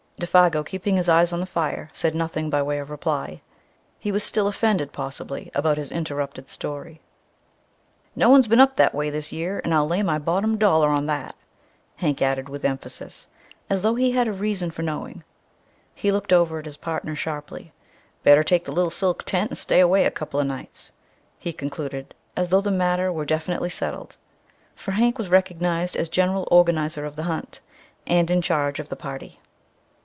Défago, keeping his eyes on the fire, said nothing by way of reply. He was still offended, possibly, about his interrupted story. "No one's been up that way this year, an' I'll lay my bottom dollar on that!" Hank added with emphasis, as though he had a reason for knowing. He looked over at his partner sharply. "Better take the little silk tent and stay away a couple o' nights," he concluded, as though the matter were definitely settled. For Hank was recognized as general organizer of the hunt, and in charge of the party.